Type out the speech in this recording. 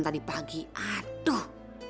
tadi pagi aduh